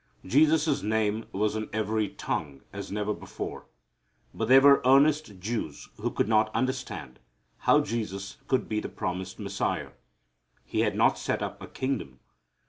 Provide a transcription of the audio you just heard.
Jesus' name was on every tongue as never before. But there were earnest Jews who could not understand how Jesus could be the promised Messiah. He had not set up a kingdom.